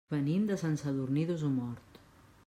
Venim de Sant Sadurní d'Osormort.